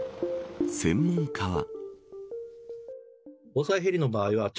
専門家は。